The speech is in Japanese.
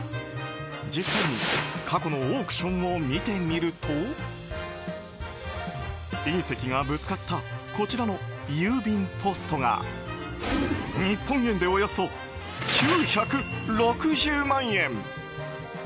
実際に過去のオークションを見てみると隕石がぶつかったこちらの郵便ポストが日本円でおよそ９６０万円。